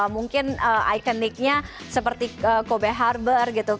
mungkin ikoniknya seperti kobe harbor gitu